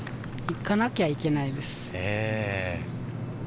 行かなきゃいけないです。